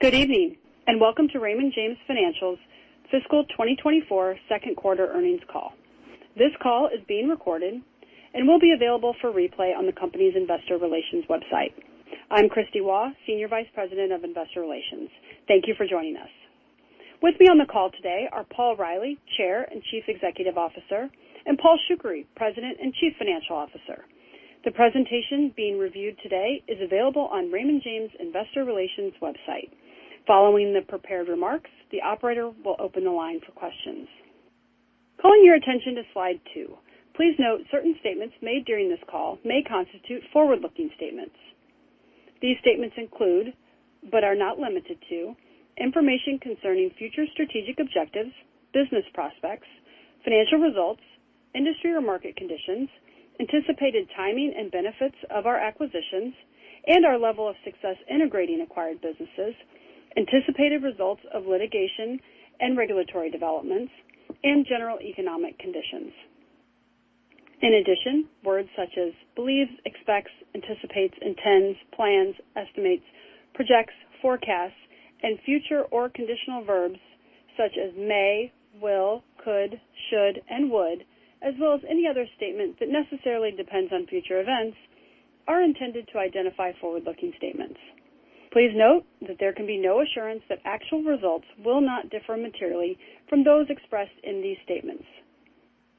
Good evening and welcome to Raymond James Financial's Fiscal 2024 Second Quarter Earnings Call. This call is being recorded and will be available for replay on the company's investor relations website. I'm Kristie Waugh, Senior Vice President of Investor Relations. Thank you for joining us. With me on the call today are Paul Reilly, Chair and Chief Executive Officer, and Paul Shoukry, President and Chief Financial Officer. The presentation being reviewed today is available on Raymond James Investor Relations website. Following the prepared remarks, the operator will open the line for questions. Calling your attention to Slide two. Please note certain statements made during this call may constitute forward-looking statements. These statements include, but are not limited to, information concerning future strategic objectives, business prospects, financial results, industry or market conditions, anticipated timing and benefits of our acquisitions, and our level of success integrating acquired businesses, anticipated results of litigation and regulatory developments, and general economic conditions. In addition, words such as believes, expects, anticipates, intends, plans, estimates, projects, forecasts, and future or conditional verbs such as may, will, could, should, and would, as well as any other statement that necessarily depends on future events, are intended to identify forward-looking statements. Please note that there can be no assurance that actual results will not differ materially from those expressed in these statements.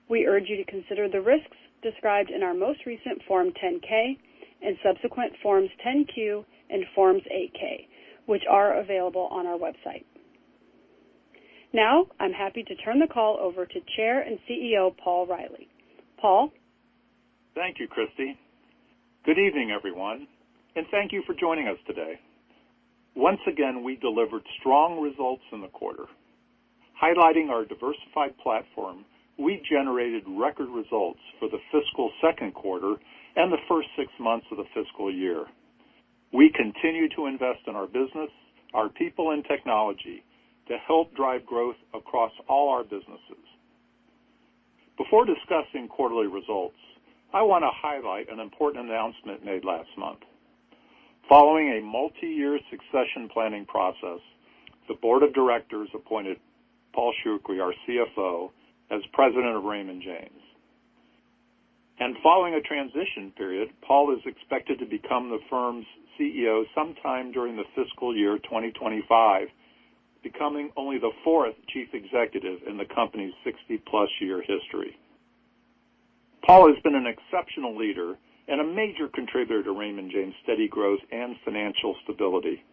We urge you to consider the risks described in our most recent Form 10-K, and subsequent Forms 10-Q, and Forms 8-K, which are available on our website. Now I'm happy to turn the call over to Chair and CEO Paul Reilly. Paul? Thank you, Kristie. Good evening, everyone, and thank you for joining us today. Once again, we delivered strong results in the quarter. Highlighting our diversified platform, we generated record results for the fiscal second quarter and the first six months of the fiscal year. We continue to invest in our business, our people, and technology to help drive growth across all our businesses. Before discussing quarterly results, I want to highlight an important announcement made last month. Following a multi-year succession planning process, the Board of Directors appointed Paul Shoukry, our CFO, as President of Raymond James. Following a transition period, Paul is expected to become the firm's CEO sometime during the fiscal year 2025, becoming only the fourth Chief Executive in the company's 60+ year history. Paul has been an exceptional leader and a major contributor to Raymond James' steady growth and financial stability.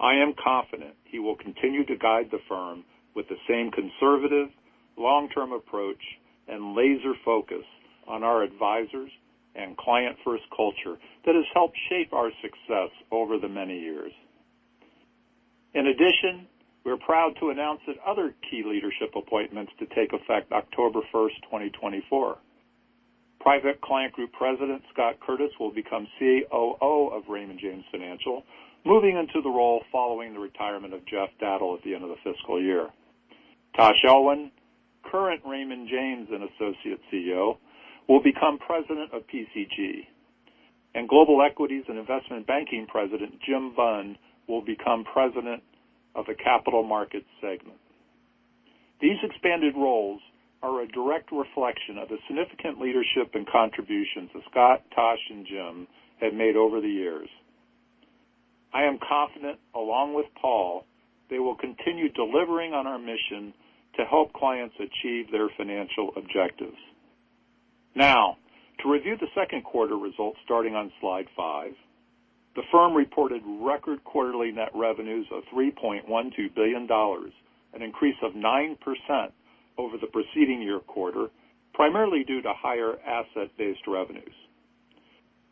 I am confident he will continue to guide the firm with the same conservative, long-term approach, and laser focus on our advisors and client-first culture that has helped shape our success over the many years. In addition, we're proud to announce that other key leadership appointments to take effect October 1, 2024. Private Client Group President Scott Curtis will become COO of Raymond James Financial, moving into the role following the retirement of Jeff Dowdle at the end of the fiscal year. Tash Elwyn, current Raymond James & Associates CEO, will become President of PCG. Global Equities and Investment Banking President Jim Bunn will become President of the Capital Markets segment. These expanded roles are a direct reflection of the significant leadership and contributions that Scott, Tash, and Jim have made over the years. I am confident, along with Paul, they will continue delivering on our mission to help clients achieve their financial objectives. Now, to review the second quarter results starting on Slide five. The firm reported record quarterly net revenues of $3.12 billion, an increase of 9% over the preceding year quarter, primarily due to higher asset-based revenues.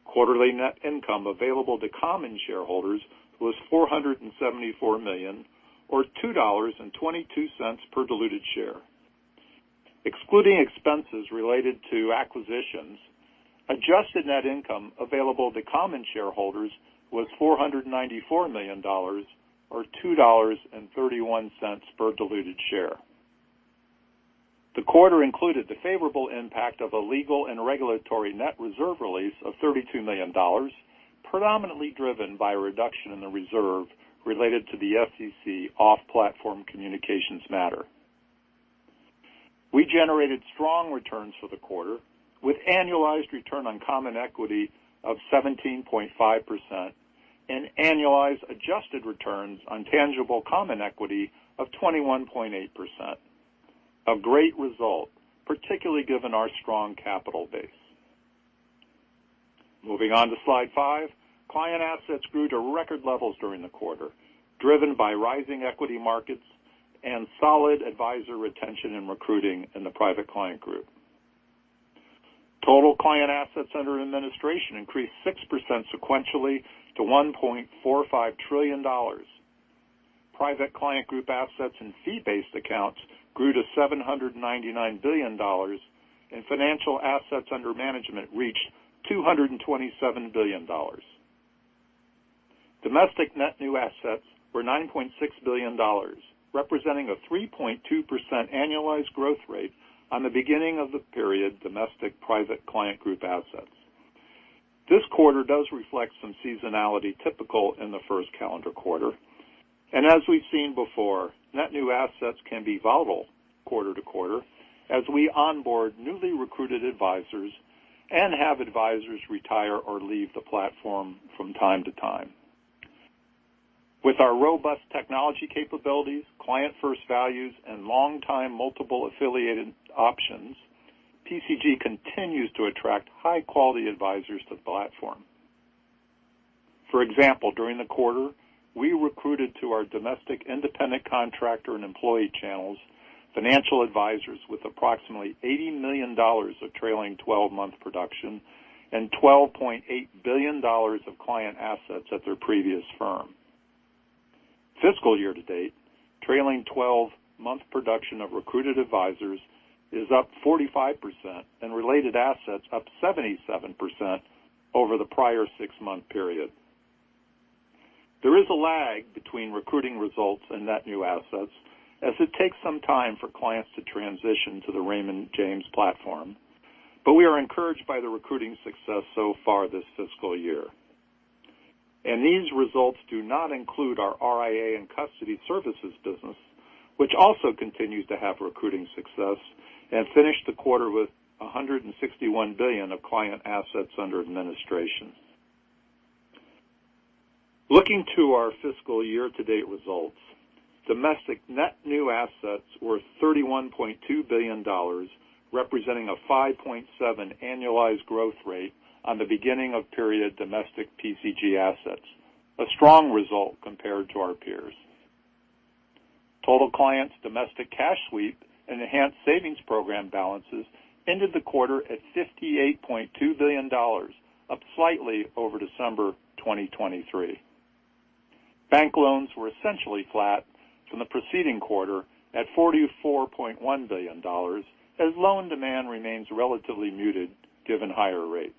Quarterly net income available to common shareholders was $474 million, or $2.22 per diluted share. Excluding expenses related to acquisitions, adjusted net income available to common shareholders was $494 million, or $2.31 per diluted share. The quarter included the favorable impact of a legal and regulatory net reserve release of $32 million, predominantly driven by a reduction in the reserve related to the SEC off-platform communications matter. We generated strong returns for the quarter, with annualized return on common equity of 17.5% and annualized adjusted returns on tangible common equity of 21.8%. A great result, particularly given our strong capital base. Moving on to Slide five. Client assets grew to record levels during the quarter, driven by rising equity markets and solid advisor retention and recruiting in the Private Client Group. Total client assets under administration increased 6% sequentially to $1.45 trillion. Private Client Group assets and fee-based accounts grew to $799 billion, and financial assets under management reached $227 billion. Domestic net new assets were $9.6 billion, representing a 3.2% annualized growth rate on the beginning of the period domestic Private Client Group assets. This quarter does reflect some seasonality typical in the first calendar quarter. As we've seen before, net new assets can be volatile quarter to quarter as we onboard newly recruited advisors and have advisors retire or leave the platform from time to time. With our robust technology capabilities, client-first values, and long-time multiple affiliated options, PCG continues to attract high-quality advisors to the platform. For example, during the quarter, we recruited to our domestic independent contractor and employee channels financial advisors with approximately $80 million of trailing 12-month production and $12.8 billion of client assets at their previous firm. Fiscal year to date, trailing 12-month production of recruited advisors is up 45% and related assets up 77% over the prior six-month period. There is a lag between recruiting results and net new assets as it takes some time for clients to transition to the Raymond James platform, but we are encouraged by the recruiting success so far this fiscal year. These results do not include our RIA and custody services business, which also continues to have recruiting success and finished the quarter with $161 billion of client assets under administration. Looking to our fiscal year-to-date results, domestic net new assets were $31.2 billion, representing a 5.7% annualized growth rate on the beginning of period domestic PCG assets. A strong result compared to our peers. Total clients' domestic cash sweep and Enhanced Savings Program balances ended the quarter at $58.2 billion, up slightly over December 2023. Bank loans were essentially flat from the preceding quarter at $44.1 billion as loan demand remains relatively muted given higher rates.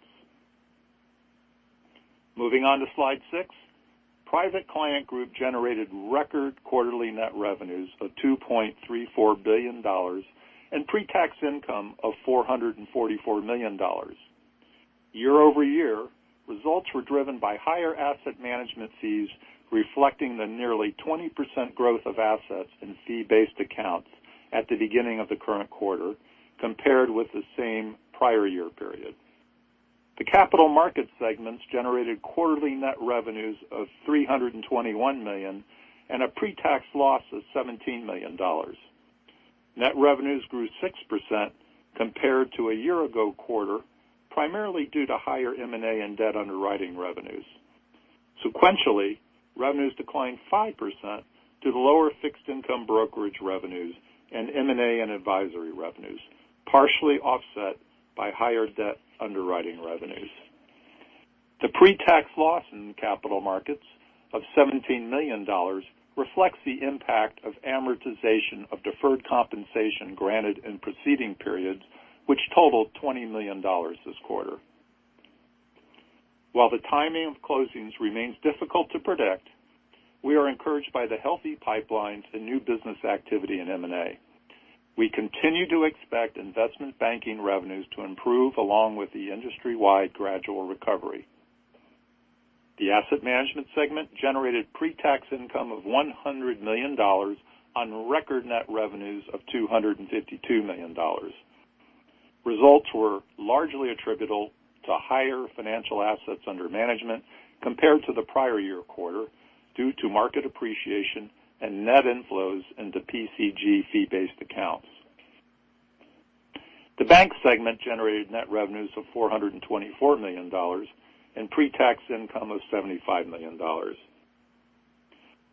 Moving on to Slide six. Private Client Group generated record quarterly net revenues of $2.34 billion and pre-tax income of $444 million. Year-over-year, results were driven by higher asset management fees reflecting the nearly 20% growth of assets in fee-based accounts at the beginning of the current quarter compared with the same prior year period. The Capital Markets segment generated quarterly net revenues of $321 million and a pre-tax loss of $17 million. Net revenues grew 6% compared to a year ago quarter, primarily due to higher M&A and debt underwriting revenues. Sequentially, revenues declined 5% due to lower fixed income brokerage revenues and M&A and advisory revenues, partially offset by higher debt underwriting revenues. The pre-tax loss in Capital Markets of $17 million reflects the impact of amortization of deferred compensation granted in preceding periods, which totaled $20 million this quarter. While the timing of closings remains difficult to predict, we are encouraged by the healthy pipelines and new business activity in M&A. We continue to expect investment banking revenues to improve along with the industry-wide gradual recovery. The asset management segment generated pre-tax income of $100 million on record net revenues of $252 million. Results were largely attributable to higher financial assets under management compared to the prior-year quarter due to market appreciation and net inflows into PCG fee-based accounts. The bank segment generated net revenues of $424 million and pre-tax income of $75 million.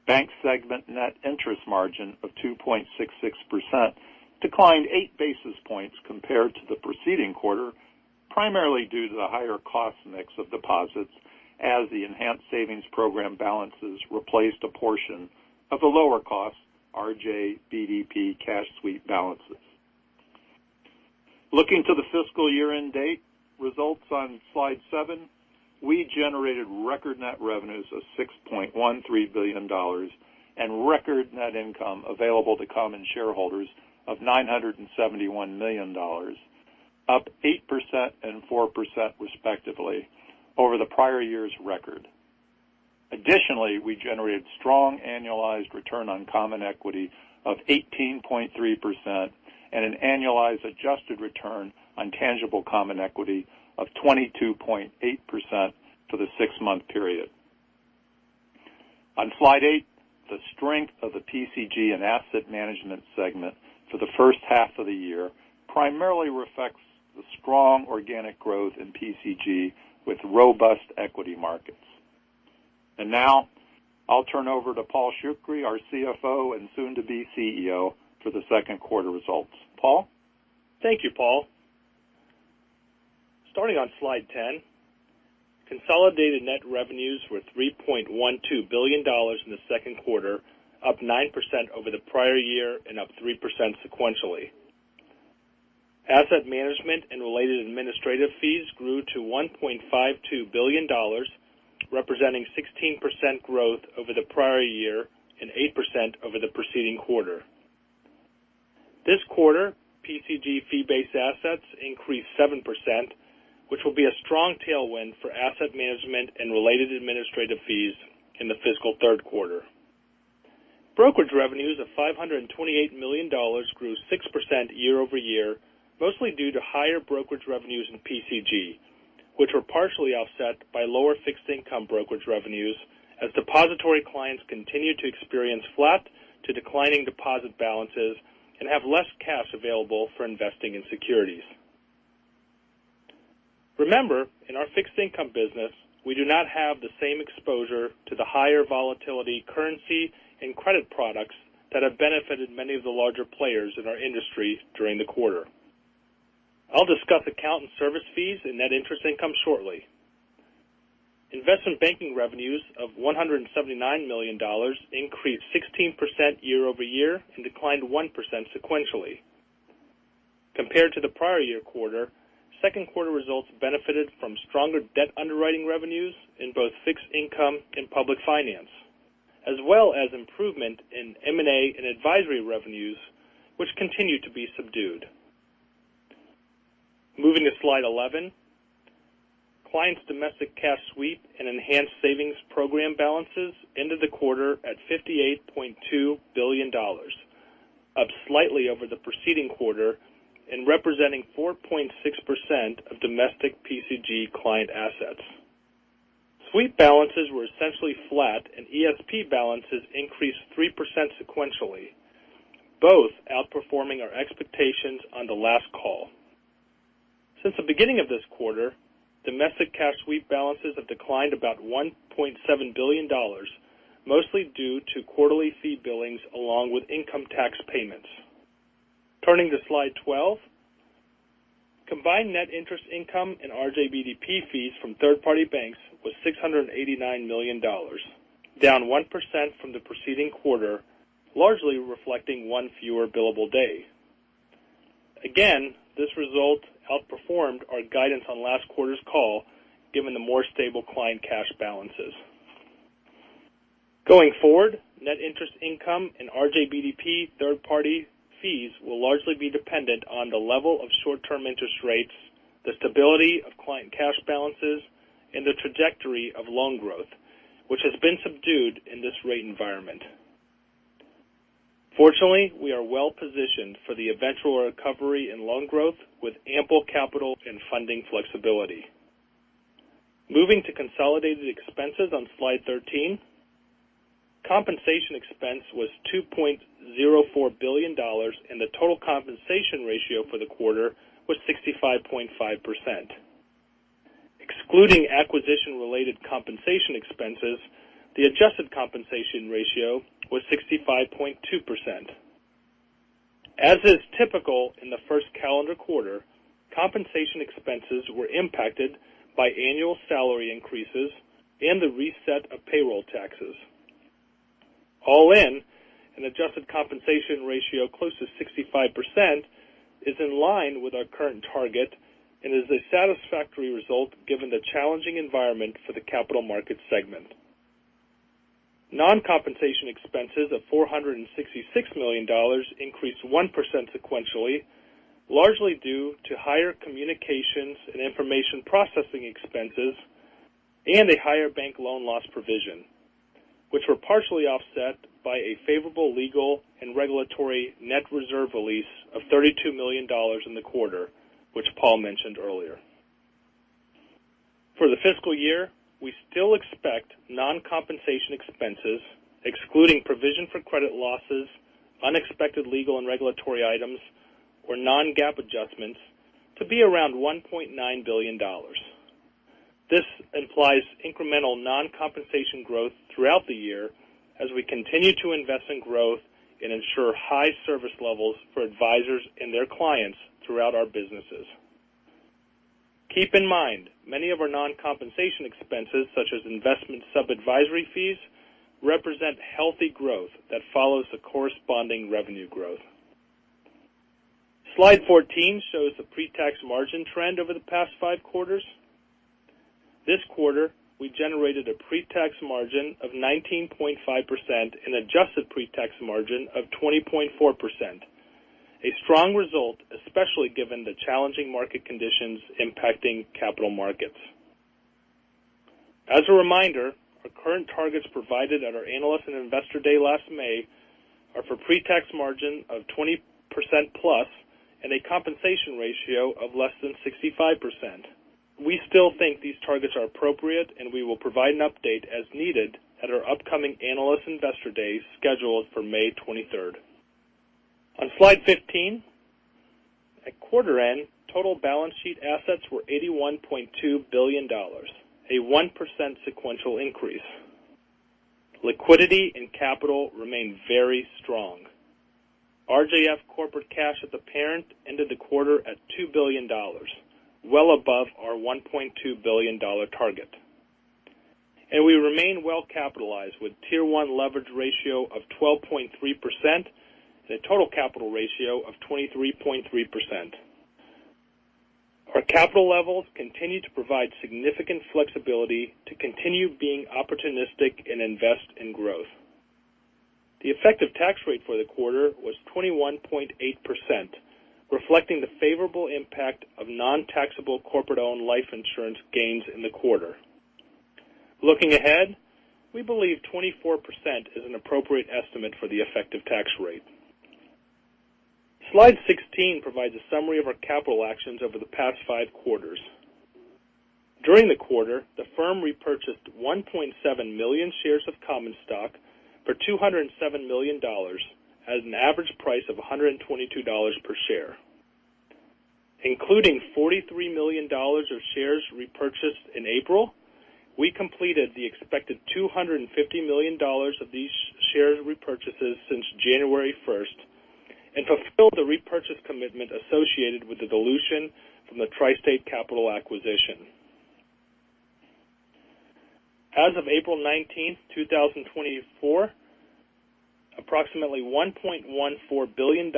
Bank segment net interest margin of 2.66% declined eight basis points compared to the preceding quarter, primarily due to the higher cost mix of deposits as the Enhanced Savings Program balances replaced a portion of the lower cost RJ BDP cash sweep balances. Looking to the fiscal year-end date. Results on Slide seven. We generated record net revenues of $6.13 billion and record net income available to common shareholders of $971 million, up 8% and 4% respectively over the prior year's record. Additionally, we generated strong annualized return on common equity of 18.3% and an annualized adjusted return on tangible common equity of 22.8% for the six-month period. On Slide eight, the strength of the PCG and asset management segment for the first half of the year primarily reflects the strong organic growth in PCG with robust equity markets. Now I'll turn over to Paul Shoukry, our CFO and soon-to-be CEO for the second quarter results. Paul? Thank you, Paul. Starting on Slide 10. Consolidated net revenues were $3.12 billion in the second quarter, up 9% over the prior year and up 3% sequentially. Asset management and related administrative fees grew to $1.52 billion, representing 16% growth over the prior year and 8% over the preceding quarter. This quarter, PCG fee-based assets increased 7%, which will be a strong tailwind for asset management and related administrative fees in the fiscal third quarter. Brokerage revenues of $528 million grew 6% year-over-year, mostly due to higher brokerage revenues in PCG, which were partially offset by lower fixed income brokerage revenues as depository clients continue to experience flat to declining deposit balances and have less cash available for investing in securities. Remember, in our fixed income business, we do not have the same exposure to the higher volatility currency and credit products that have benefited many of the larger players in our industry during the quarter. I'll discuss account and service fees and net interest income shortly. Investment banking revenues of $179 million increased 16% year-over-year and declined 1% sequentially. Compared to the prior year quarter, second quarter results benefited from stronger debt underwriting revenues in both fixed income and public finance, as well as improvement in M&A and advisory revenues, which continue to be subdued. Moving to Slide 11. Clients' domestic cash sweep and Enhanced Savings Program balances ended the quarter at $58.2 billion, up slightly over the preceding quarter and representing 4.6% of domestic PCG client assets. Sweep balances were essentially flat and ESP balances increased 3% sequentially, both outperforming our expectations on the last call. Since the beginning of this quarter, domestic cash sweep balances have declined about $1.7 billion, mostly due to quarterly fee billings along with income tax payments. Turning to Slide 12. Combined net interest income and RJ BDP fees from third-party banks was $689 million, down 1% from the preceding quarter, largely reflecting one fewer billable day. Again, this result outperformed our guidance on last quarter's call given the more stable client cash balances. Going forward, net interest income and RJ BDP third-party fees will largely be dependent on the level of short-term interest rates, the stability of client cash balances, and the trajectory of loan growth, which has been subdued in this rate environment. Fortunately, we are well positioned for the eventual recovery in loan growth with ample capital and funding flexibility. Moving to consolidated expenses on Slide 13. Compensation expense was $2.04 billion and the total compensation ratio for the quarter was 65.5%. Excluding acquisition-related compensation expenses, the adjusted compensation ratio was 65.2%. As is typical in the first calendar quarter, compensation expenses were impacted by annual salary increases and the reset of payroll taxes. All in, an adjusted compensation ratio close to 65% is in line with our current target and is a satisfactory result given the challenging environment for the Capital Markets segment. Non-compensation expenses of $466 million increased 1% sequentially, largely due to higher communications and information processing expenses and a higher bank loan loss provision, which were partially offset by a favorable legal and regulatory net reserve release of $32 million in the quarter, which Paul mentioned earlier. For the fiscal year, we still expect non-compensation expenses, excluding provision for credit losses, unexpected legal and regulatory items, or non-GAAP adjustments, to be around $1.9 billion. This implies incremental non-compensation growth throughout the year as we continue to invest in growth and ensure high service levels for advisors and their clients throughout our businesses. Keep in mind, many of our non-compensation expenses, such as investment sub-advisory fees, represent healthy growth that follows the corresponding revenue growth. Slide 14 shows the pre-tax margin trend over the past five quarters. This quarter, we generated a pre-tax margin of 19.5% and adjusted pre-tax margin of 20.4%, a strong result, especially given the challenging market conditions impacting capital markets. As a reminder, our current targets provided at our Analyst & Investor Day last May are for pre-tax margin of 20%+ and a compensation ratio of less than 65%. We still think these targets are appropriate and we will provide an update as needed at our upcoming analyst investor day scheduled for May 23rd. On Slide 15. At quarter end, total balance sheet assets were $81.2 billion, a 1% sequential increase. Liquidity and capital remain very strong. RJF corporate cash as a parent ended the quarter at $2 billion, well above our $1.2 billion target. We remain well capitalized with Tier 1 leverage ratio of 12.3% and a total capital ratio of 23.3%. Our capital levels continue to provide significant flexibility to continue being opportunistic and invest in growth. The effective tax rate for the quarter was 21.8%, reflecting the favorable impact of non-taxable corporate-owned life insurance gains in the quarter. Looking ahead, we believe 24% is an appropriate estimate for the effective tax rate. Slide 16 provides a summary of our capital actions over the past five quarters. During the quarter, the firm repurchased 1.7 million shares of common stock for $207 million at an average price of $122 per share. Including $43 million of shares repurchased in April, we completed the expected $250 million of share repurchases since January 1st and fulfilled the repurchase commitment associated with the dilution from the TriState Capital acquisition. As of April 19th, 2024, approximately $1.14 billion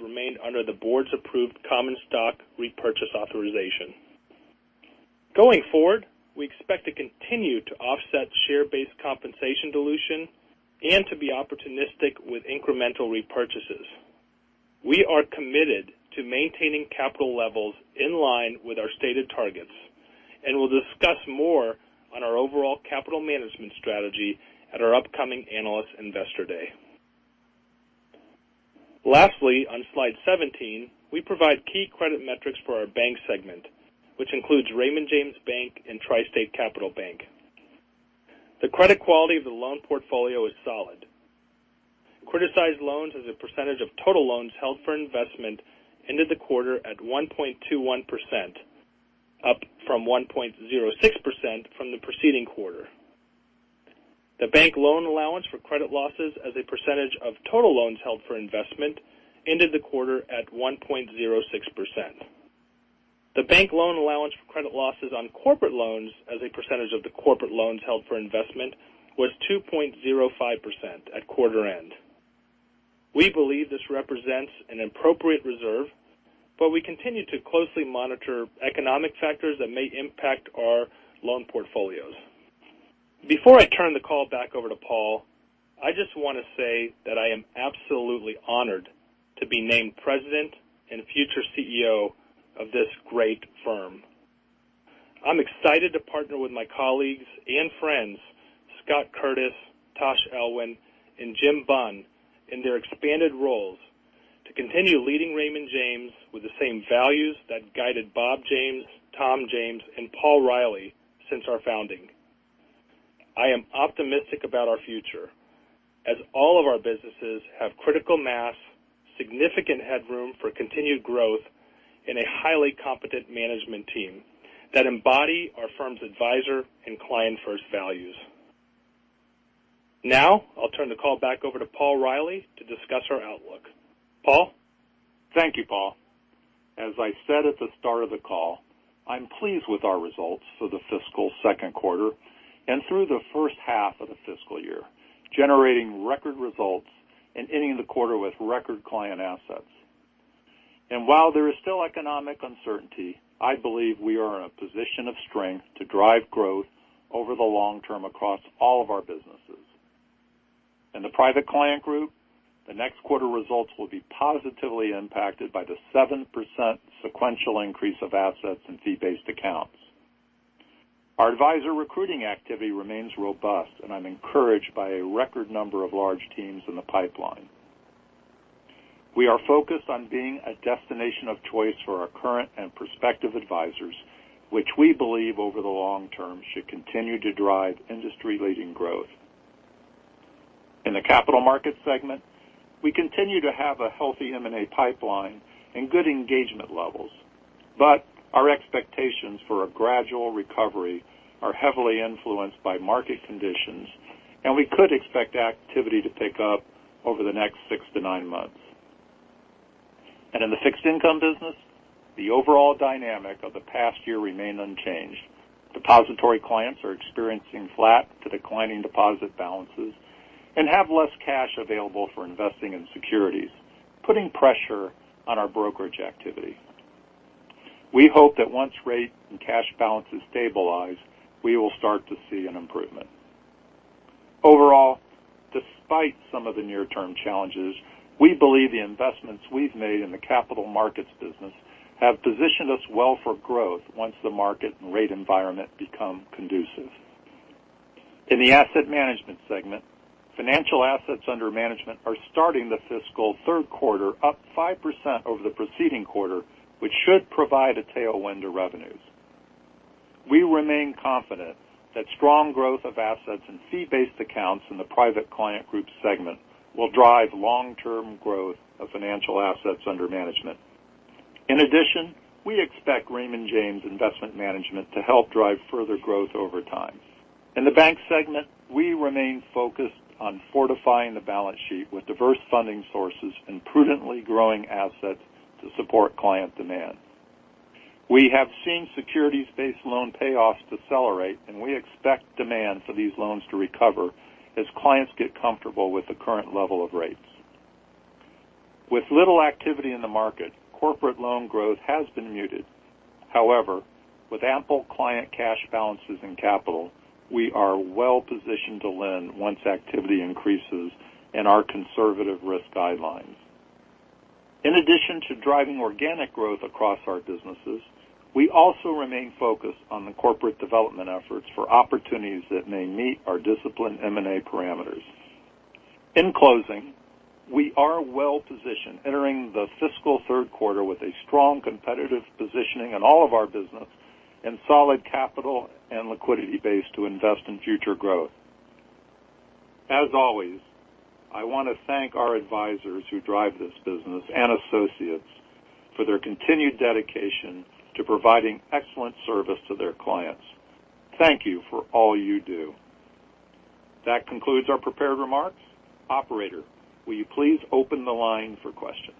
remained under the board's approved common stock repurchase authorization. Going forward, we expect to continue to offset share-based compensation dilution and to be opportunistic with incremental repurchases. We are committed to maintaining capital levels in line with our stated targets and will discuss more on our overall capital management strategy at our upcoming analyst investor day. Lastly, on Slide 17, we provide key credit metrics for our bank segment, which includes Raymond James Bank and TriState Capital Bank. The credit quality of the loan portfolio is solid. Criticized loans as a percentage of total loans held for investment ended the quarter at 1.21%, up from 1.06% from the preceding quarter. The bank loan allowance for credit losses as a percentage of total loans held for investment ended the quarter at 1.06%. The bank loan allowance for credit losses on corporate loans as a percentage of the corporate loans held for investment was 2.05% at quarter end. We believe this represents an appropriate reserve, but we continue to closely monitor economic factors that may impact our loan portfolios. Before I turn the call back over to Paul, I just want to say that I am absolutely honored to be named president and future CEO of this great firm. I'm excited to partner with my colleagues and friends, Scott Curtis, Tash Elwyn, and Jim Bunn, in their expanded roles to continue leading Raymond James with the same values that guided Bob James, Tom James, and Paul Reilly since our founding. I am optimistic about our future as all of our businesses have critical mass, significant headroom for continued growth, and a highly competent management team that embody our firm's advisor and client-first values. Now I'll turn the call back over to Paul Reilly to discuss our outlook. Paul? Thank you, Paul. As I said at the start of the call, I'm pleased with our results for the fiscal second quarter and through the first half of the fiscal year, generating record results and ending the quarter with record client assets. While there is still economic uncertainty, I believe we are in a position of strength to drive growth over the long term across all of our businesses. In the Private Client Group, the next quarter results will be positively impacted by the 7% sequential increase of assets and Fee-Based Accounts. Our advisor recruiting activity remains robust, and I'm encouraged by a record number of large teams in the pipeline. We are focused on being a destination of choice for our current and prospective advisors, which we believe over the long term should continue to drive industry-leading growth. In the Capital Markets segment, we continue to have a healthy M&A pipeline and good engagement levels, but our expectations for a gradual recovery are heavily influenced by market conditions, and we could expect activity to pick up over the next six to nine months. In the fixed income business, the overall dynamic of the past year remained unchanged. Depository clients are experiencing flat to declining deposit balances and have less cash available for investing in securities, putting pressure on our brokerage activity. We hope that once rate and cash balances stabilize, we will start to see an improvement. Overall, despite some of the near-term challenges, we believe the investments we've made in the Capital Markets business have positioned us well for growth once the market and rate environment become conducive. In the asset management segment, financial assets under management are starting the fiscal third quarter up 5% over the preceding quarter, which should provide a tailwind to revenues. We remain confident that strong growth of assets and fee-based accounts in the Private Client Group segment will drive long-term growth of financial assets under management. In addition, we expect Raymond James Investment Management to help drive further growth over time. In the bank segment, we remain focused on fortifying the balance sheet with diverse funding sources and prudently growing assets to support client demand. We have seen securities-based loan payoffs decelerate, and we expect demand for these loans to recover as clients get comfortable with the current level of rates. With little activity in the market, corporate loan growth has been muted. However, with ample client cash balances and capital, we are well positioned to lend once activity increases and our conservative risk guidelines. In addition to driving organic growth across our businesses, we also remain focused on the corporate development efforts for opportunities that may meet our disciplined M&A parameters. In closing, we are well positioned entering the fiscal third quarter with a strong competitive positioning in all of our businesses and solid capital and liquidity base to invest in future growth. As always, I want to thank our advisors who drive this business, and associates, for their continued dedication to providing excellent service to their clients. Thank you for all you do. That concludes our prepared remarks. Operator, will you please open the line for questions?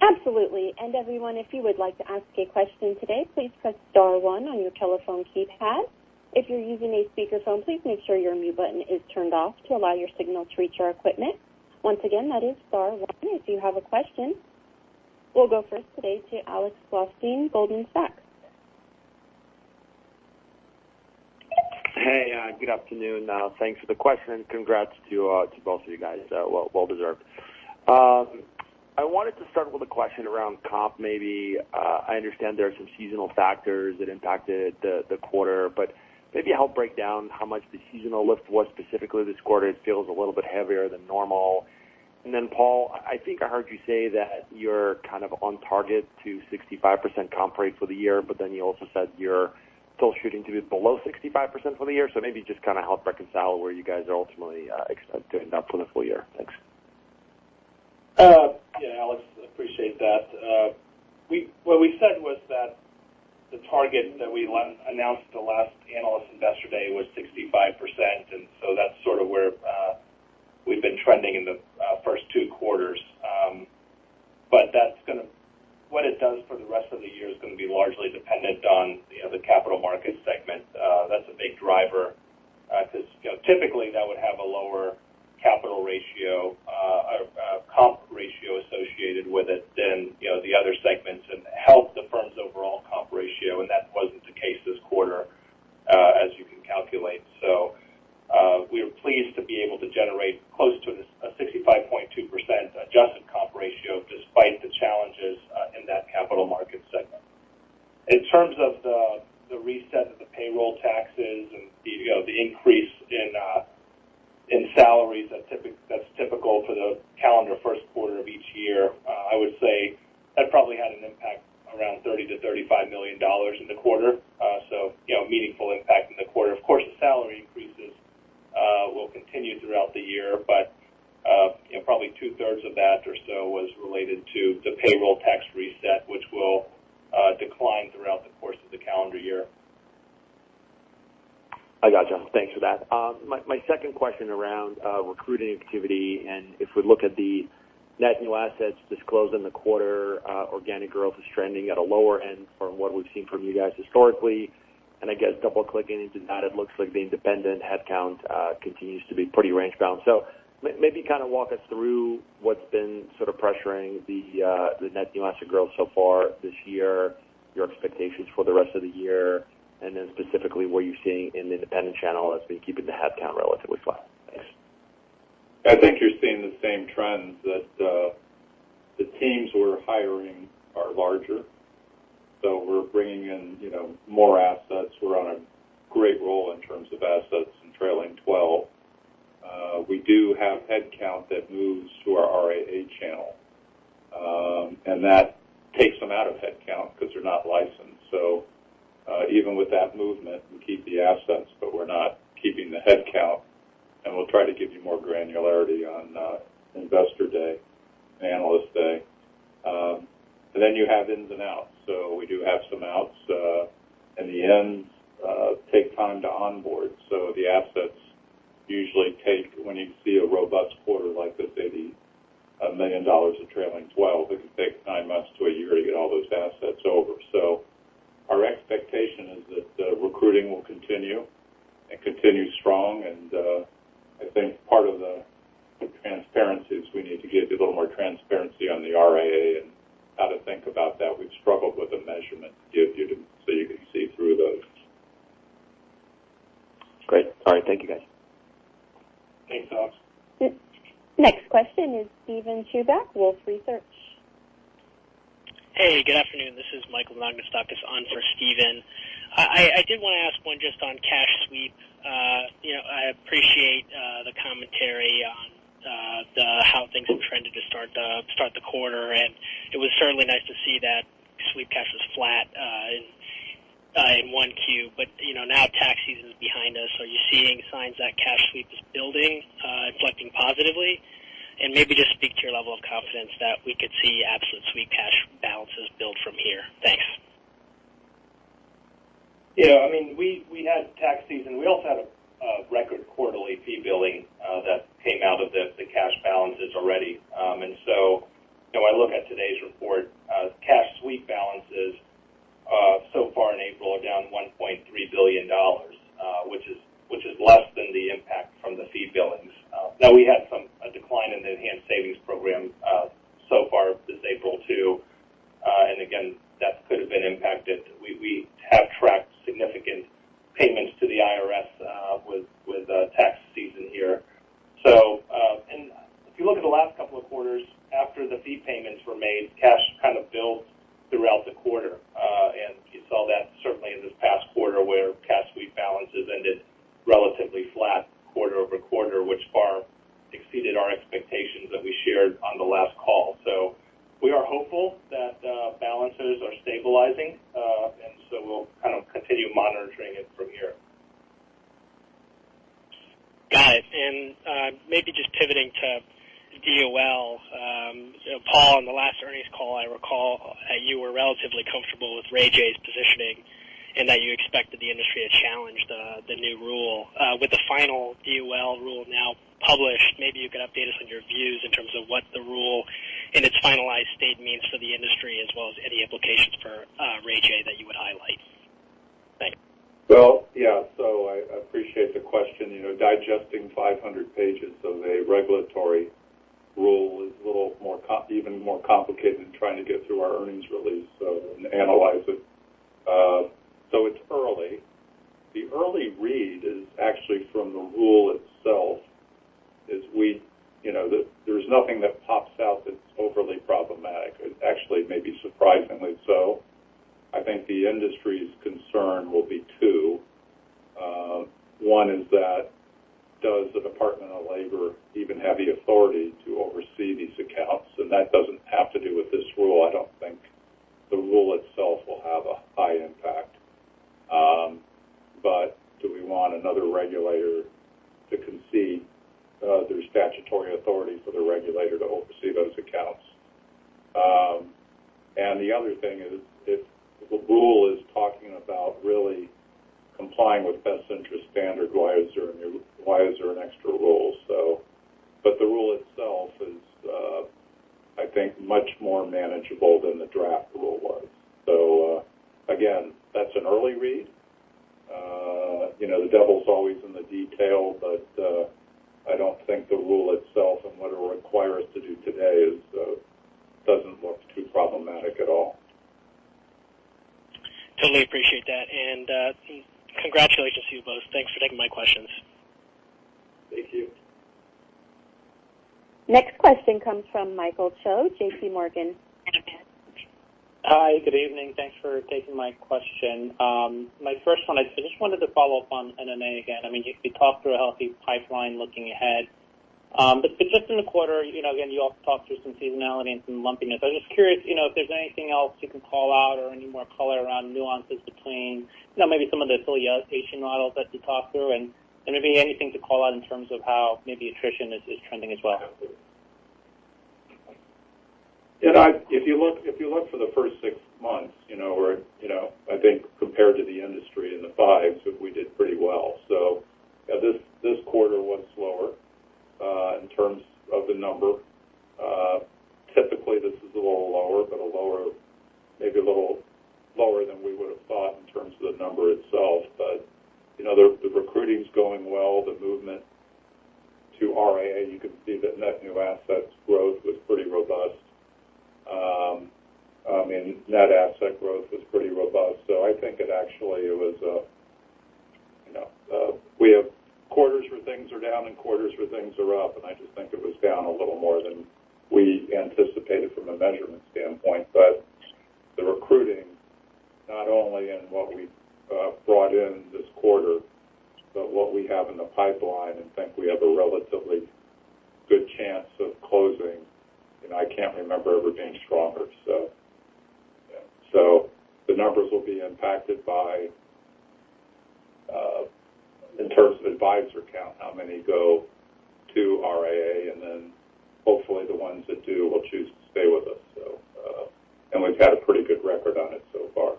Absolutely. And everyone, if you would like to ask a question today, please press star one on your telephone keypad. If you're using a speakerphone, please make sure your mute button is turned off to allow your signal to reach our equipment. Once again, that is star one if you have a question. We'll go first today to Alex Blostein, Goldman Sachs. Hey, good afternoon. Thanks for the question. Congrats to both of you guys. Well deserved. I wanted to start with a question around comp maybe. I understand there are some seasonal factors that impacted the quarter, but maybe help break down how much the seasonal lift was specifically this quarter. It feels a little bit heavier than normal. And then, Paul, I think I heard you say that you're kind of on target to 65% comp rate for the year, but then you also said you're still shooting to be below 65% for the year. So maybe just kind of help reconcile where you guys are ultimately doing that for the full year. Thanks. Yeah, Alex, appreciate that. What we said was that the target that we announced the last analyst investor day was 65%, and so that's sort of where we've been trending in the first two quarters. But what it does for the rest of the year is going to be largely dependent on the Capital Markets segment. That's a big driver because typically that would have a lower comp ratio associated with it than the other segments and help the firm's overall comp ratio. And that wasn't the case this quarter, as you can calculate. So we were pleased to be able to generate close to a 65.2% adjusted comp ratio despite the challenges in that capital market segment. In terms of the reset of the payroll taxes and the increase in salaries that's typical for the calendar first quarter of each year, I would say that probably had an impact around $30 million-$35 million in the quarter, so meaningful impact in the quarter. Of course, the salary increases will continue throughout the year, but probably 2/3 of that or so was related to the payroll tax reset, which will decline throughout the course of the calendar year. I gotcha. Thanks for that. My second question around recruiting activity and if we look at the net new assets disclosed in the quarter, organic growth is trending at a lower end from what we've seen from you guys historically. And I guess double-clicking into that, it looks like the independent headcount continues to be pretty range-bound. So maybe kind of walk us through what's been sort of pressuring the net new asset growth so far this year, your expectations for the rest of the year, and then specifically what you're seeing in the independent channel that's been keeping the headcount relatively flat. Thanks. I think you're seeing the same trends. The teams we're hiring are larger, so we're bringing in more assets. We're on a great roll in terms of assets and trailing 12. We do have headcount that moves to our RIA channel, and that takes them out of headcount because they're not licensed. So even with that movement, we keep the assets, but we're not keeping the headcount. We'll try to give you more granularity on investor day and analyst day. Then you have ins and outs. We do have some outs. The ins take time to onboard. So the assets usually take, when you see a robust quarter like this, say, $1 million of trailing 12, it can take nine months to a year to get all those assets over. Our expectation is that recruiting will continue and continue strong. I think part of the transparency is we need to give you a little more transparency on the RIA and how to think about that. We've struggled with a measurement to give you so you can see through those. Great. All right. Thank you, guys. Thanks, Alex. Next question is Steven Chubak, Wolfe Research. Hey, good afternoon. This is Michael Anagnostakis on for Steven. I did want to ask one just on cash sweep. I appreciate the commentary on how things have trended to start the quarter. It was certainly nice to see that sweep cash was flat in 1Q. But now tax season is behind us, are you seeing signs that cash sweep is building and reflecting positively? Maybe just speak to your level of confidence that we could see absolute sweep cash balances build from here. Thanks. Yeah. I mean, we had tax season. We also had a record quarterly fee billing that came out of the cash balances already. And so when I look at today's report, cash sweep balances so far in April are down $1.3 billion, which is less than the impact from the fee billings. Now, we had a decline in the Enhanced Savings Program so far this April too. And again, that could have been impacted. We have tracked significant payments to the IRS with tax season here. And if you look at the last couple of quarters, after the fee payments were made, cash kind of built throughout the quarter. And you saw that certainly in this past quarter where cash sweep balances ended relatively flat quarter-over-quarter, which far exceeded our expectations that we shared on the last call. So we are hopeful that balances are stabilizing, and so we'll kind of continue monitoring it from here. Got it. And maybe just pivoting to DOL. Paul, on the last earnings call, I recall that you were relatively comfortable with Ray J's positioning and that you expected the industry to challenge the new rule. With the final DOL rule now published, maybe you could update us on your views in terms of what the rule in its finalized state means for the industry as well as any implications for Ray J that you would highlight. Thanks. Well, yeah. So I appreciate the question. Digesting 500 pages of a regulatory rule is even more complicated than trying to get through our earnings release and analyze it. So it's early. The early read is actually from the rule itself is there's nothing that pops out that's overly problematic, actually, maybe surprisingly so. I think the industry's concern will be two. One is that does the Department of Labor even have the authority to oversee these accounts? And that doesn't have to do with this rule. I don't think the rule itself will have a high impact. But do we want another regulator to concede their statutory authority for the regulator to oversee those accounts? And the other thing is if the rule is talking about really complying with best interest standards, why is there an extra rule? The rule itself is, I think, much more manageable than the draft rule was. Again, that's an early read. The devil's always in the detail, but I don't think the rule itself and what it requires to do today doesn't look too problematic at all. Totally appreciate that. Congratulations to you both. Thanks for taking my questions. Thank you. Next question comes from Michael Cho, JPMorgan. Hi. Good evening. Thanks for taking my question. My first one, I just wanted to follow up on M&A again. I mean, we talked through a healthy pipeline looking ahead. But just in the quarter, again, you all talked through some seasonality and some lumpiness. I was just curious if there's anything else you can call out or any more color around nuances between maybe some of the affiliation models that you talked through and maybe anything to call out in terms of how maybe attrition is trending as well. Yeah. If you look for the first six months, I think compared to the industry in the fives, we did pretty well. So this quarter was slower in terms of the number. Typically, this is a little lower, but maybe a little lower than we would have thought in terms of the number itself. But the recruiting's going well. The movement to RIA, you can see that net new assets growth was pretty robust. I mean, net asset growth was pretty robust. So I think it actually was a we have quarters where things are down and quarters where things are up. And I just think it was down a little more than we anticipated from a measurement standpoint. But the recruiting, not only in what we brought in this quarter, but what we have in the pipeline, I think we have a relatively good chance of closing. I can't remember ever being stronger. So the numbers will be impacted by, in terms of advisor count, how many go to RIA, and then hopefully, the ones that do will choose to stay with us. We've had a pretty good record on it so far.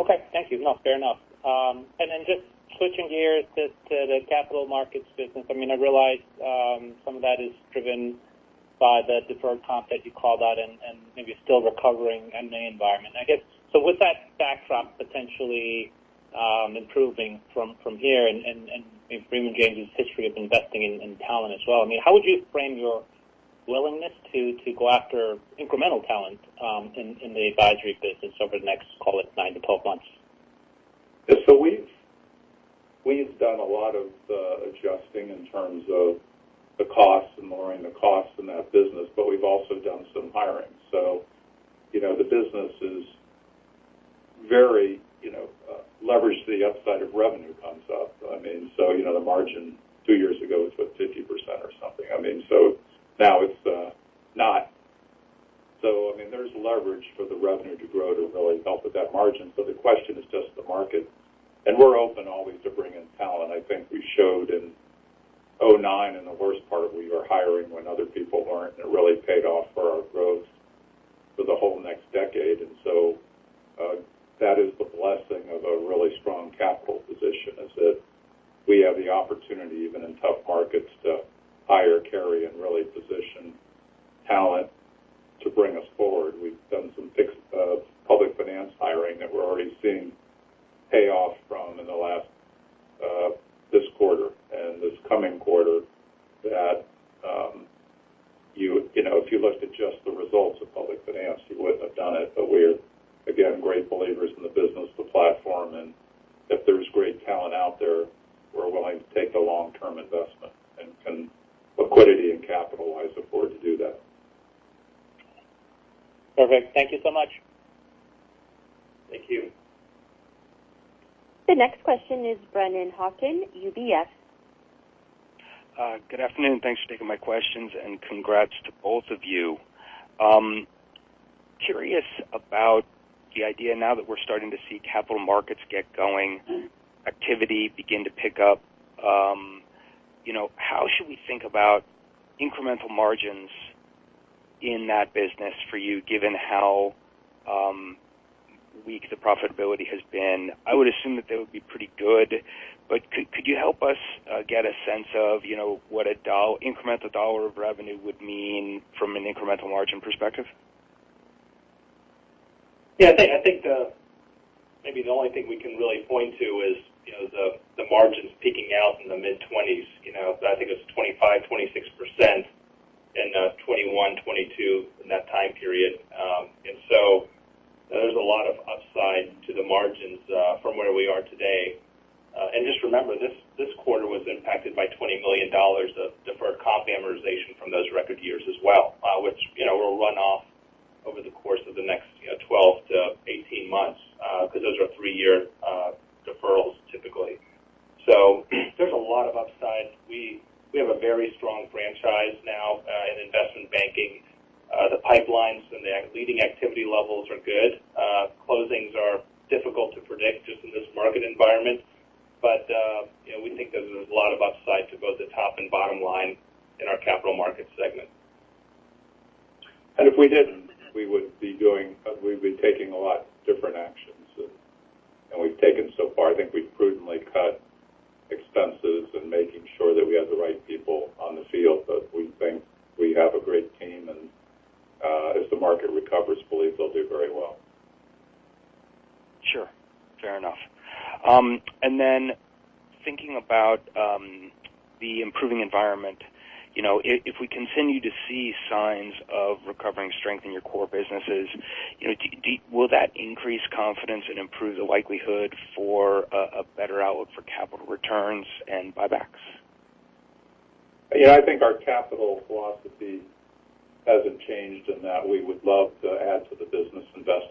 Okay. Thank you. No, fair enough. And then just switching gears to the capital markets business, I mean, I realize some of that is driven by the deferred comp that you called out and maybe still recovering in the environment. So with that backdrop potentially improving from here and Raymond James's history of investing in talent as well, I mean, how would you frame your willingness to go after incremental talent in the advisory business over the next, call it, nine to 12 months? Yeah. So we've done a lot of adjusting in terms of the costs and lowering the costs in that business, but we've also done some hiring. So the business is very leveraged the upside of revenue comes up. I mean, so the margin two years ago was, what, 50% or something. I mean, so now it's not so I mean, there's leverage for the revenue to grow to really help with that margin. So the question is just the market. And we're open always to bring in talent. I think we showed in 2009 in the worst part, we were hiring when other people weren't, and it really paid off for our growth for the whole next decade. And so that is the blessing of a really strong capital position is that we have the opportunity even in tough markets to hire, carry, and really position talent to bring us forward. We've done some public finance hiring that we're already seeing payoff from in this quarter and this coming quarter that if you looked at just the results of public finance, you wouldn't have done it. But we are, again, great believers in the business, the platform. And if there's great talent out there, we're willing to take the long-term investment and channel liquidity and capitalize if we're to do that. Perfect. Thank you so much. Thank you. The next question is Brennan Hawken, UBS. Good afternoon. Thanks for taking my questions, and congrats to both of you. Curious about the idea now that we're starting to see capital markets get going, activity begin to pick up, how should we think about incremental margins in that business for you given how weak the profitability has been? I would assume that they would be pretty good, but could you help us get a sense of what an incremental dollar of revenue would mean from an incremental margin perspective? Yeah. I think maybe the only thing we can really point to is the margins peaking out in the mid-20s. I think it was 25%, 26% in 2021, 2022 in that time period. And so there's a lot of upside to the margins from where we are today. And just remember, this quarter was impacted by $20 million of deferred comp amortization from those record years as well, which will run off over the course of the next 12-18 months because those are three-year deferrals typically. So there's a lot of upside. We have a very strong franchise now in investment banking. The pipelines and the leading activity levels are good. Closings are difficult to predict just in this market environment, but we think there's a lot of upside to both the top and bottom line in our capital markets segment. If we did, we'd be taking a lot different actions, and we've taken so far. I think we've prudently cut expenses and making sure that we have the right people on the field. But we think we have a great team, and as the market recovers, believe they'll do very well. Sure. Fair enough. And then thinking about the improving environment, if we continue to see signs of recovering strength in your core businesses, will that increase confidence and improve the likelihood for a better outlook for capital returns and buybacks? Yeah. I think our capital philosophy hasn't changed in that we would love to add to the business, invest in the business first. And certainly, our recruiting is an ongoing large investment,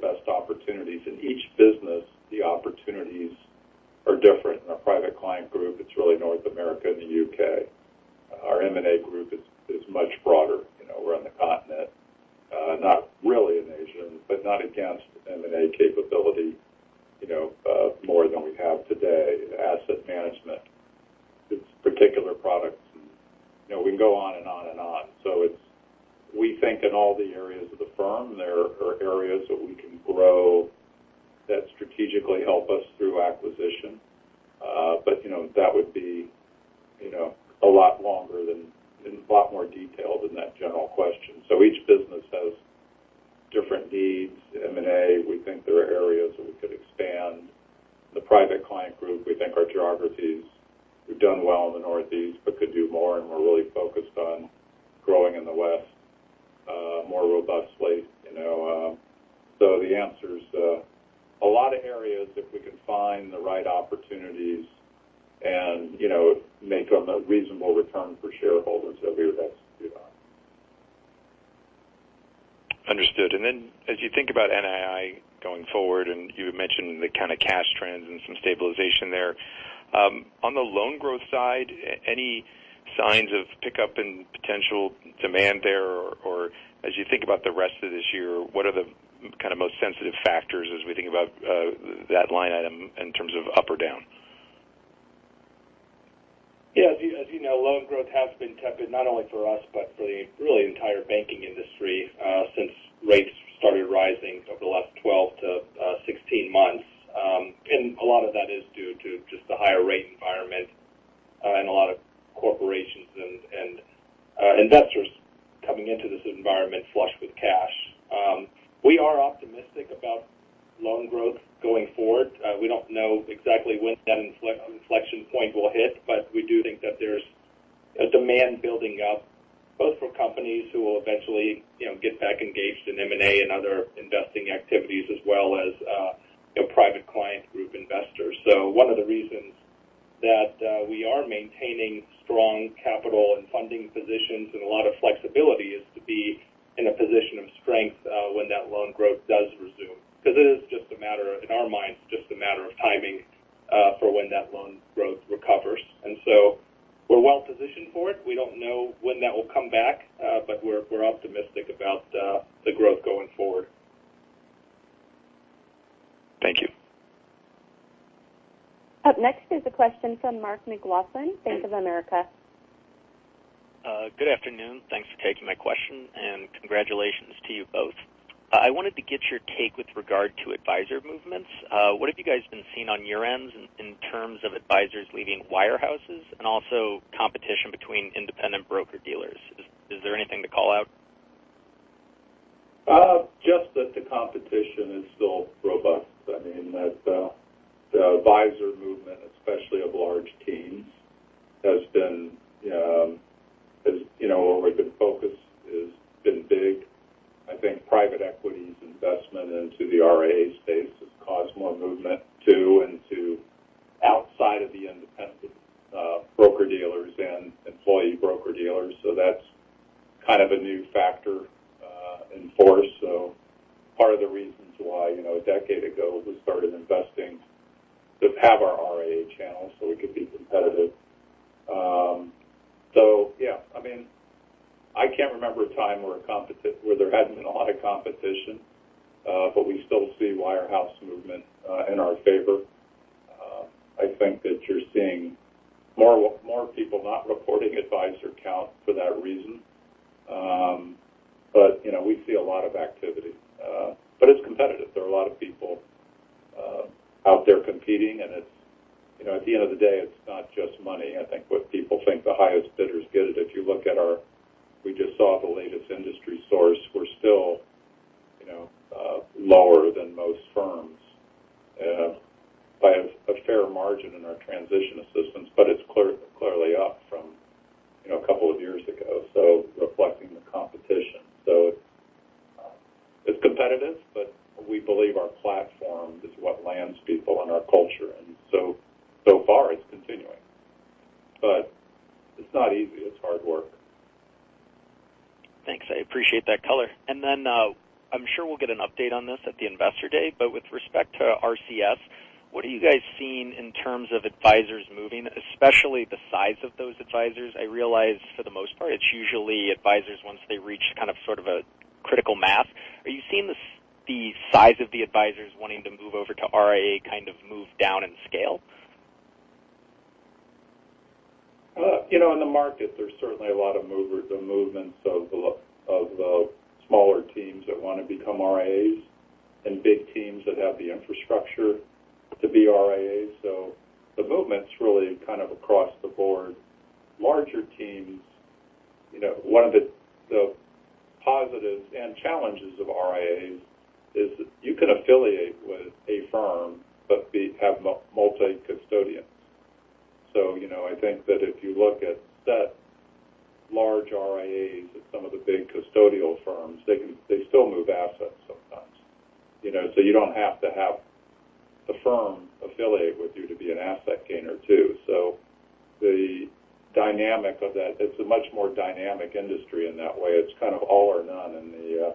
We look for the best opportunities. In each business, just a matter in our minds, just a matter of timing for when that loan growth recovers. And so we're well positioned for it. We don't know when that will come back, but we're optimistic about the growth going forward. Thank you. Up next is a question from Mark McLaughlin, Bank of America. Good afternoon. Thanks for taking my question, and congratulations to you both. I wanted to get your take with regard to advisor movements. What have you guys been seeing on your ends in terms of advisors leaving wirehouses and also competition between independent broker-dealers? Is there anything to call out? Just that the competition is still robust. I mean, the advisor movement, especially of large teams, has been where we've been focused has been big. I think private equities investment into the RIA space has caused more movement too and to outside of the independent broker-dealers and employee broker-dealers. So that's kind of a new factor in force. So part of the reasons why a decade ago, we started investing to have our RIA channel so we could be competitive. So yeah. I mean, I can't remember a time where there hadn't been a lot of competition, but we still see wirehouse movement in our favor. I think that you're seeing more people not reporting advisor count for that reason, but we see a lot of activity. But it's competitive. There are a lot of people out there competing, and at the end of the day, it's not just money. I think what people think the highest bidders get it. If you look at ours, we just saw the latest industry source. We're still lower than most firms by a fair margin in our transition assistance, but it's clearly up from a couple of years ago, so reflecting the competition. So it's competitive, but we believe our platform is what lands people and our culture. And so far, it's continuing. But it's not easy. It's hard work. Thanks. I appreciate that color. And then I'm sure we'll get an update on this at the investor day, but with respect to RCS, what are you guys seeing in terms of advisors moving, especially the size of those advisors? I realize for the most part, it's usually advisors once they reach kind of sort of a critical mass. Are you seeing the size of the advisors wanting to move over to RIA kind of move down in scale? In the market, there's certainly a lot of movements of the smaller teams that want to become RIAs and big teams that have the infrastructure to be RIAs. So the movement's really kind of across the board. Larger teams, one of the positives and challenges of RIAs is that you can affiliate with a firm but have multi-custodians. So I think that if you look at large RIAs at some of the big custodial firms, they still move assets sometimes. So you don't have to have the firm affiliate with you to be an asset gainer too. So the dynamic of that, it's a much more dynamic industry in that way. It's kind of all or none in the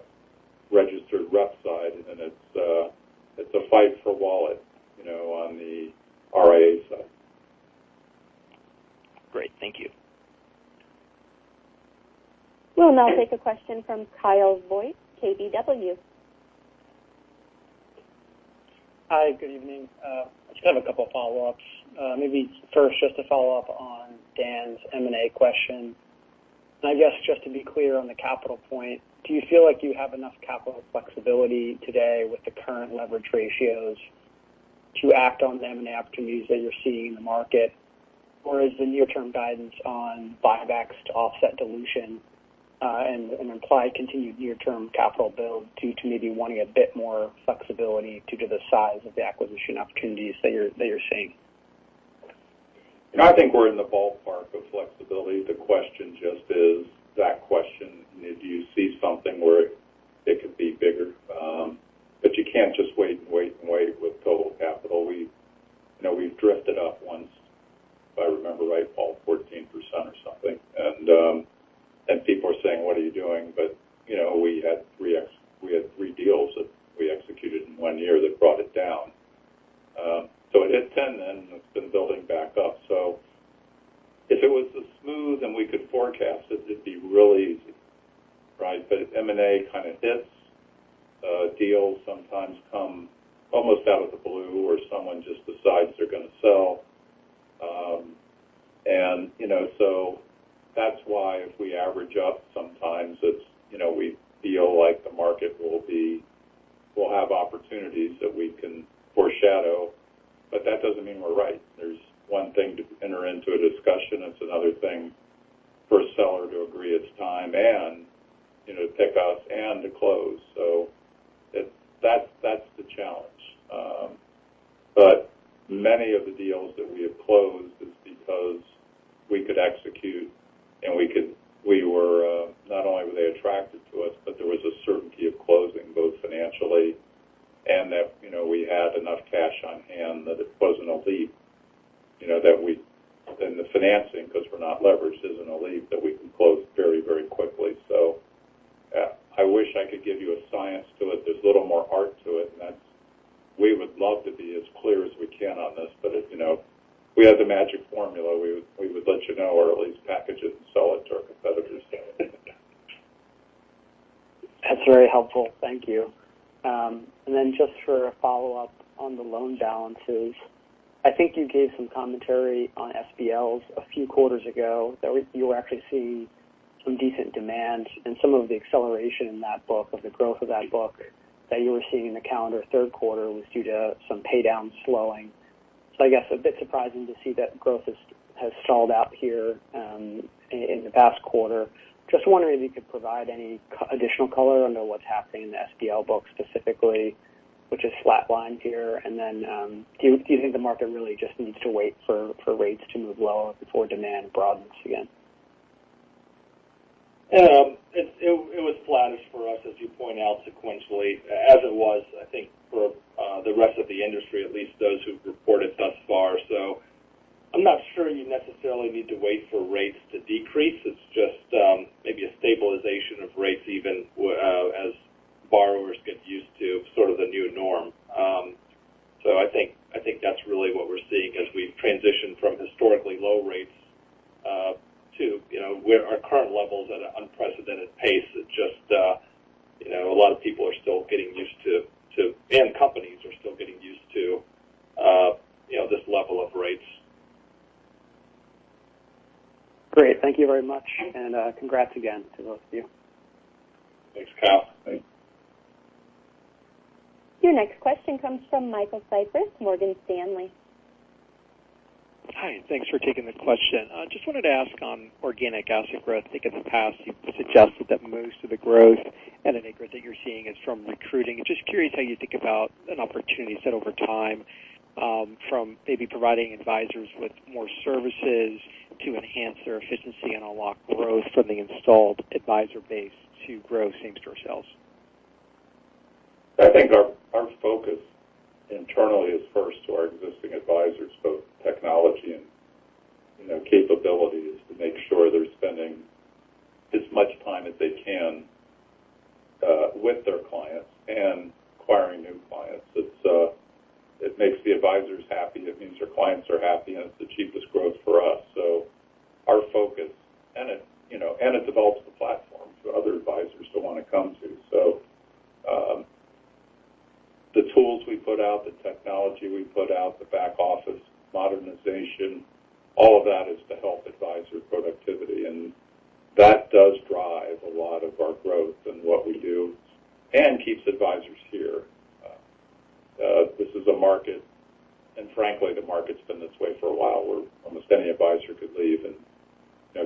registered rep side, and it's a fight for wallet on the RIA side. Great. Thank you. We'll now take a question from Kyle Voigt, KBW. Hi. Good evening. I just have a couple of follow-ups. Maybe first, just to follow up on Dan's M&A question. And I guess just to be clear on the capital point, do you feel like you have enough capital flexibility today with the current leverage ratios to act on the M&A opportunities that you're seeing in the market? Or is the near-term guidance on buybacks to offset dilution and imply continued near-term capital build due to maybe wanting a bit more flexibility due to the size of the acquisition opportunities that you're seeing? I think we're in the ballpark of flexibility. The question just is that question, do you see something where it could be bigger? But you can't just wait and wait and wait with total capital. We've drifted up once, if I remember right, Paul, 14% or something. And people are saying, "What are you doing?" But we had three deals that we executed in one year that brought it down. So it hit 10 then, and it's been building back up. So if it was as smooth and we could forecast it, it'd be really easy, right? But if M&A kind of hits, deals sometimes come almost out of the blue or someone just decides they're going to sell. And so that's why if we average up, sometimes we feel like the market will have opportunities that we can foreshadow. But that doesn't mean we're right. It was flattened for us, as you point out, sequentially, as it was, I think, for the rest of the industry, at least those who've reported thus far. So I'm not sure you necessarily need to wait for rates to decrease. It's just maybe a stabilization of rates even as borrowers get used to sort of the new norm. So I think that's really what we're seeing as we transition from historically low rates to our current levels at an unprecedented pace. It's just a lot of people are still getting used to and companies are still getting used to this level of rates. Great. Thank you very much, and congrats again to both of you. Thanks, Kyle. Your next question comes from Michael Cyprys, Morgan Stanley. Hi. Thanks for taking the question. Just wanted to ask on organic asset growth. I think in the past, you've suggested that most of the growth and the negative that you're seeing is from recruiting. Just curious how you think about an opportunity set over time from maybe providing advisors with more services to enhance their efficiency and unlock growth from the installed advisor base to grow same-store sales. I think our focus internally is first to our existing advisors, both technology and capabilities, to make sure they're spending as much time as they can with their clients and acquiring new clients. It makes the advisors happy. It means their clients are happy, and it's the cheapest growth for us. So our focus and it develops the platform for other advisors to want to come to. So the tools we put out, the technology we put out, the back-office modernization, all of that is to help advisor productivity. And that does drive a lot of our growth and what we do and keeps advisors here. This is a market, and frankly, the market's been this way for a while where almost any advisor could leave and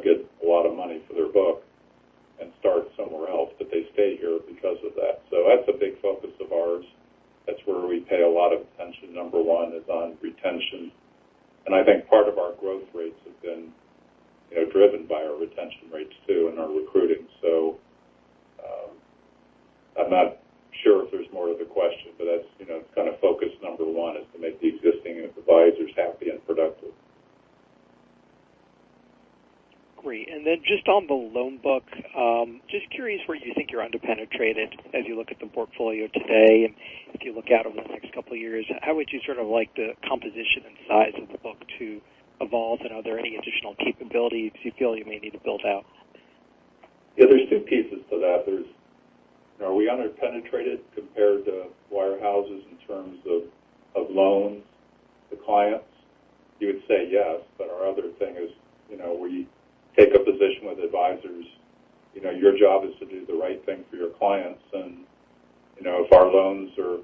get a lot of money for their book and start somewhere else. But they stay here because of that. So that's a big focus of ours. That's where we pay a lot of attention. Number one is on retention. And I think part of our growth rates have been driven by our retention rates too and our recruiting. So I'm not sure if there's more to the question, but it's kind of focus number one is to make the existing advisors happy and productive. Great. And then just on the loan book, just curious where you think you're underpenetrated as you look at the portfolio today. And if you look out over the next couple of years, how would you sort of like the composition and size of the book to evolve? And are there any additional capabilities you feel you may need to build out? Yeah. There's two pieces to that. Are we underpenetrated compared to wirehouses in terms of loans, the clients? You would say yes. But our other thing is we take a position with advisors. Your job is to do the right thing for your clients. And if our loans are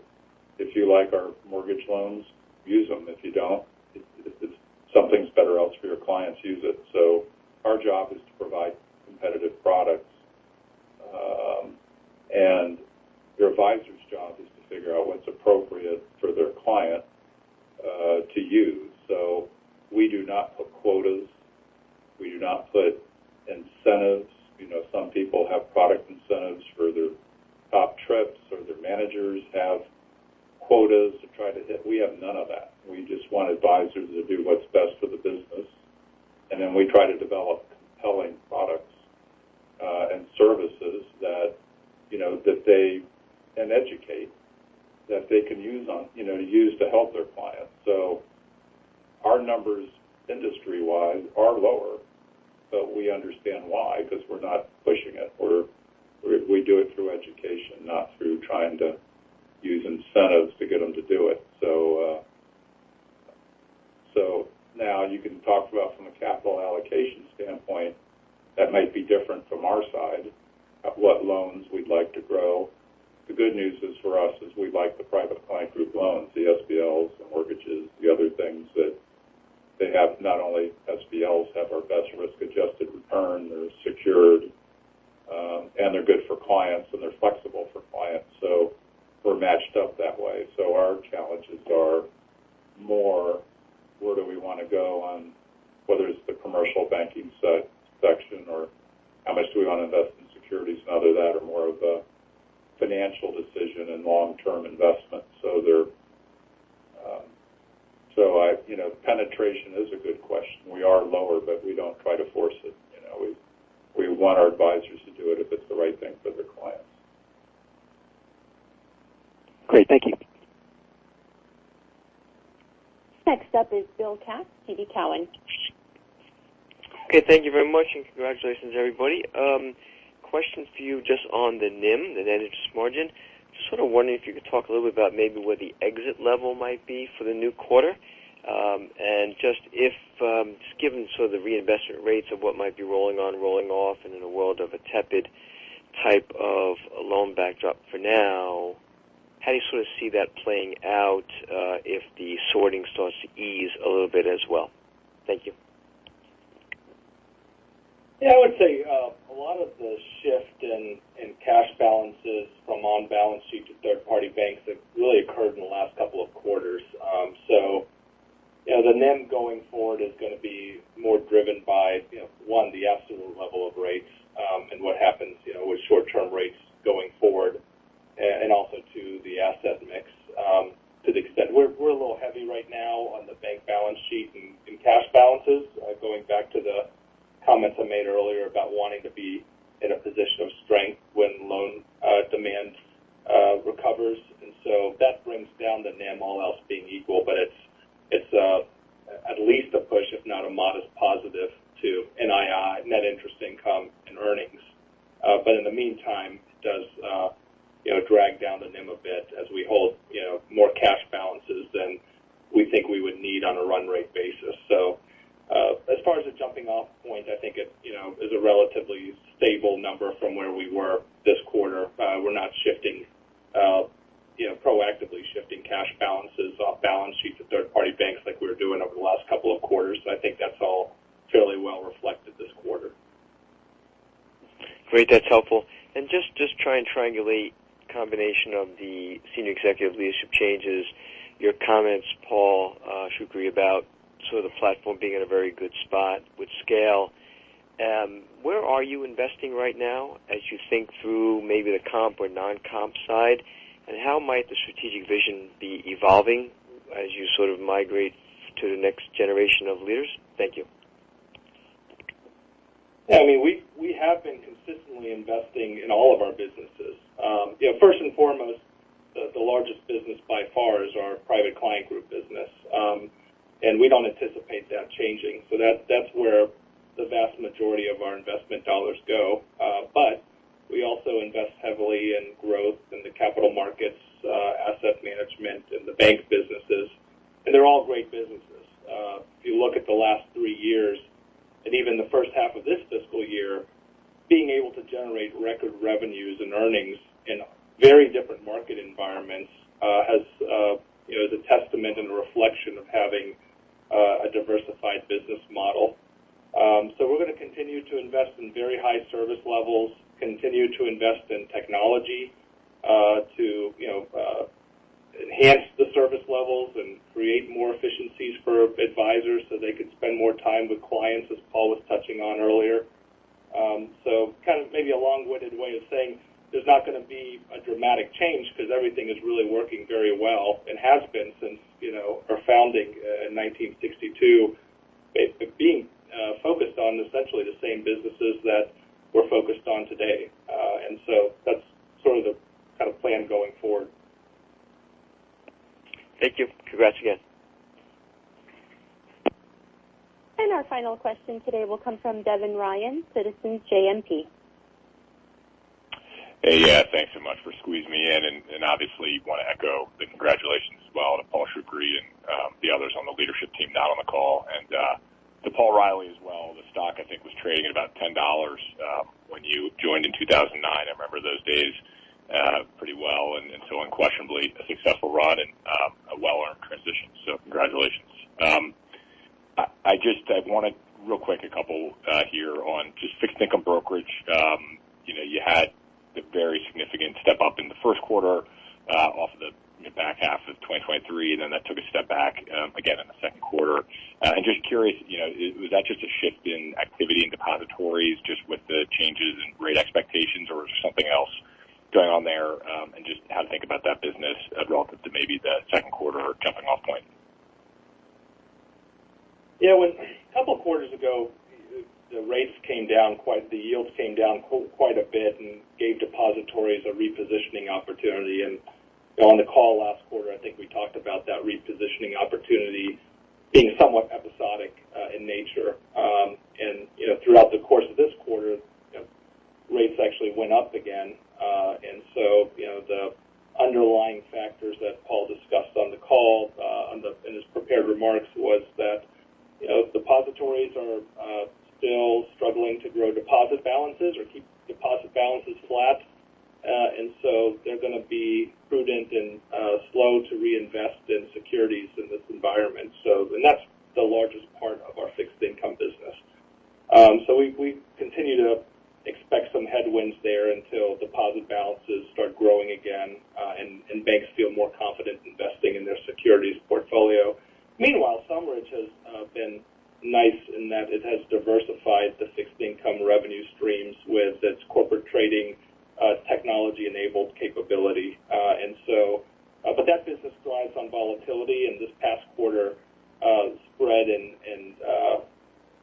if you like our mortgage loans, use them. If you don't, if something's better else for your clients, use it. So our job is to provide competitive products. And your advisor's job is to figure out what's appropriate for their client to use. So we do not put quotas. We do not put incentives. Some people have product incentives for their top trips, or their managers have quotas to try to hit. We have none of that. We just want advisors to do what's best for the business. And then we try to develop compelling products and services that they and educate that they can use to help their clients. So our numbers industry-wise are lower, but we understand why because we're not pushing it. We do it through education, how do you sort of see that playing out if the sorting starts to ease a little bit as well? We don't anticipate that changing. That's where the vast majority of our investment dollars go. We also invest heavily in growth and the capital markets, asset management, and the bank businesses. They're all great businesses. If you look at the last three years and even the first half of this fiscal year, being able to generate record revenues and earnings in very different market environments is a testament and a reflection of having a diversified business model. We're going to continue to invest in very high service levels, continue to invest in technology to enhance the service levels and create more efficiencies for advisors so they could spend more time with clients, as Paul was touching on earlier. So kind of maybe a long-winded way of saying there's not going to be a dramatic change because everything is really working very well and has been since our founding in 1962, being focused on essentially the same businesses that we're focused on today. So that's sort of the kind of plan going forward. Thank you. Congrats again. Our final question today will come from Devin Ryan, Citizens JMP. Hey. Yeah. Thanks so much for squeezing me in. And obviously, want to echo the congratulations as well to Paul Shoukry and the others on the leadership team not on the call. And to Paul Reilly as well. The stock, I think, was trading at about $10 when you joined in 2009. I remember those days pretty well. And so unquestionably, a successful run and a well-earned transition. So congratulations. I want to real quick a couple here on just fixed income brokerage. You had the very significant step-up in the first quarter off of the back half of 2023, and then that took a step back again in the second quarter. Just curious, was that just a shift in activity in depositories just with the changes in rate expectations, or was there something else going on there and just how to think about that business relative to maybe the second quarter jumping-off point? Yeah. A couple of quarters ago, the rates came down quite the yields came down quite a bit and gave depositories a repositioning opportunity. And on the call last quarter, I think we talked about that repositioning opportunity being somewhat episodic in nature. And throughout the course of this quarter, rates actually went up again. And so the underlying factors that Paul discussed on the call in his prepared remarks was that depositories are still struggling to grow deposit balances or keep deposit balances flat. And so they're going to be prudent and slow to reinvest in securities in this environment. And that's the largest part of our fixed income business. So we continue to expect some headwinds there until deposit balances start growing again and banks feel more confident investing in their securities portfolio. Meanwhile, SumRidge has been nice in that it has diversified the fixed income revenue streams with its corporate trading technology-enabled capability. But that business thrives on volatility. And this past quarter, spread and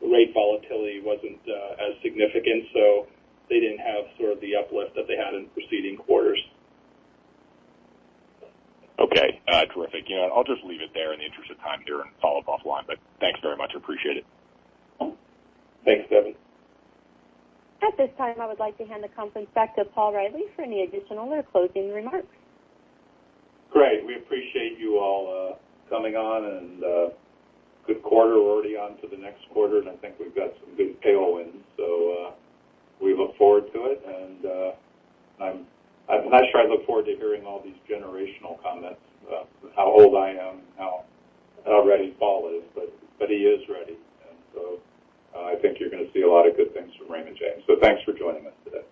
rate volatility wasn't as significant. So they didn't have sort of the uplift that they had in preceding quarters. Okay. Terrific. I'll just leave it there in the interest of time here and follow up offline. But thanks very much. Appreciate it. Thanks, Devin. At this time, I would like to hand the conference back to Paul Reilly for any additional or closing remarks. Great. We appreciate you all coming on. And good quarter. We're already on to the next quarter. And I think we've got some good tailwinds. So we look forward to it. And I'm not sure I look forward to hearing all these generational comments, how old I am, how ready Paul is. But he is ready. And so I think you're going to see a lot of good things from Raymond James. So thanks for joining us today.